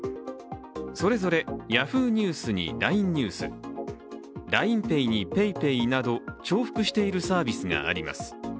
それぞれＹａｈｏｏ！ニュースにＬＩＮＥニュース、ＬＩＮＥＰａｙにＰａｙＰａｙなど重複しているサービスがあります。